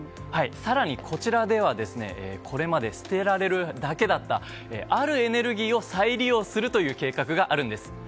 更にこちらではこれまで、捨てられるだけだったあるエネルギーを再利用する計画があるんです。